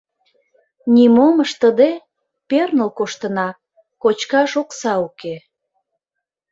Нимом ыштыде, перныл коштына, кочкаш окса уке.